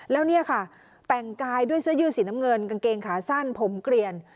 แล้วเนี่ยค่ะแต่งกายด้วยเสื้อยืดสีน้ำเงินกางเกงขาสั้นผมเกลียน